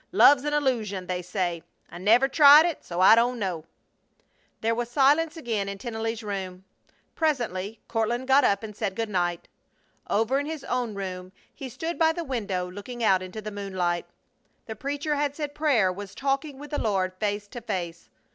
"Love's an illusion, they say. I never tried it, so I don't know." There was silence again in Tennelly's room. Presently Courtland got up and said good night. Over in his own room he stood by the window, looking out into the moonlight. The preacher had said prayer was talking with the Lord face to face.